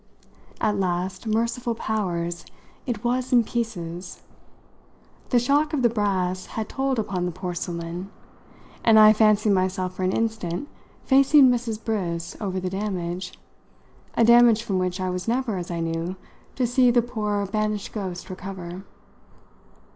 At last, merciful powers, it was in pieces! The shock of the brass had told upon the porcelain, and I fancied myself for an instant facing Mrs. Briss over the damage a damage from which I was never, as I knew, to see the poor banished ghost recover.